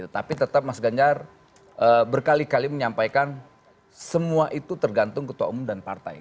tapi tetap mas ganjar berkali kali menyampaikan semua itu tergantung ketua umum dan partai